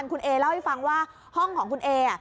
คุณเอเล่าให้ฟังว่าห้องของคุณเอ